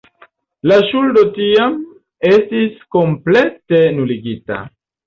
La ŝuldo tiam estis komplete nuligita.